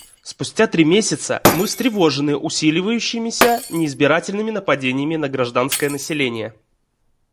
Спустя три месяца мы встревожены усиливающимися неизбирательными нападениями на гражданское население.